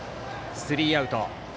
スリーアウト。